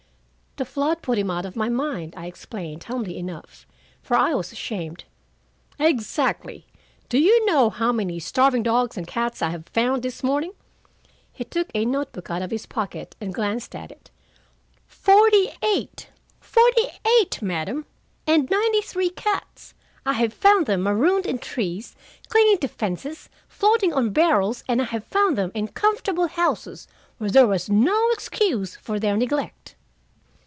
"The flood put him out of my mind," I explained, humbly enough, for I was ashamed. "Exactly. Do you know how many starving dogs and cats I have found this morning?" He took a note book out of his pocket and glanced at it. "Forty eight. Forty eight, madam! And ninety three cats! I have found them marooned in trees, clinging to fences, floating on barrels, and I have found them in comfortable houses where there was no excuse for their neglect.